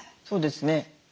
そうですね。